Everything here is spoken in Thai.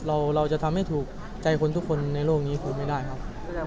เราจะทำให้ถูกใจคนทุกคนในโลกนี้คือไม่ได้ครับ